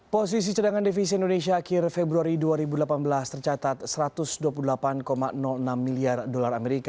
posisi cadangan devisi indonesia akhir februari dua ribu delapan belas tercatat satu ratus dua puluh delapan enam miliar dolar amerika